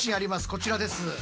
こちらです。